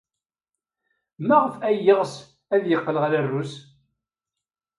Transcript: Maɣef ay yeɣs ad yeqqel ɣer Rrus?